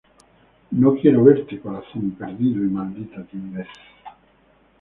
No Quiero Verte, Corazón Perdido y Maldita Timidez.